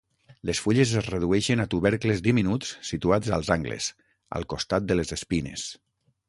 Les fulles es redueixen a tubercles diminuts situats als angles, al costat de les espines.